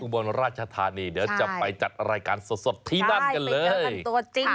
ไปเลยจะไปจัดรายการสดที่นั่นกันเลยไปเจอกันตัวเอง